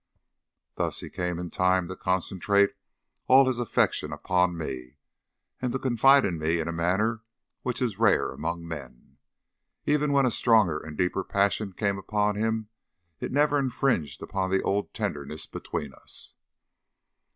Thus he came in time to concentrate all his affection upon me, and to confide in me in a manner which is rare among men. Even when a stronger and deeper passion came upon him, it never infringed upon the old tenderness between us.